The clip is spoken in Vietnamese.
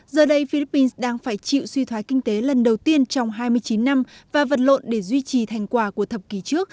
giờ đây philippines đang phải chịu suy thoái kinh tế lần đầu tiên trong hai mươi chín năm và vật lộn để duy trì thành quả của thập kỷ trước